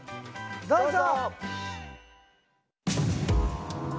どうぞ！